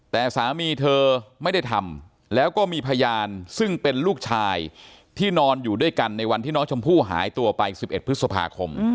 แต่สามีเธอไม่ได้ทำแล้วก็มีพยานซึ่งเป็นลูกชายที่นอนอยู่ด้วยกันในวันที่น้องชมพู่หายตัวไป๑๑พฤษภาคม